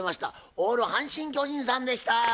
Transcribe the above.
オール阪神・巨人さんでした。